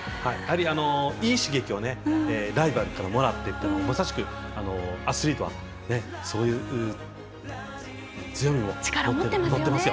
いい刺激をライバルからもらってというのはまさしく、アスリートはそういう強みも持っていますよ。